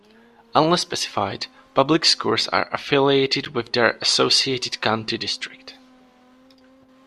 Unless specified, public schools are affiliated with their associated county district.